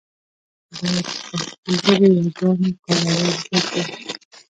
د پښتو ژبې ياګانو کارول زده کړئ.